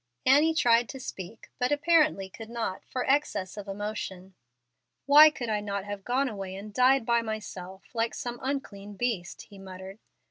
Annie tried to speak, but apparently could not for excess of emotion. "Why could I not have gone away and died by myself, like some unclean beast?" he muttered.